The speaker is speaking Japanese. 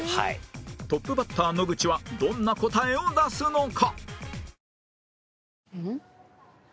トップバッター野口はどんな答えを出すのか？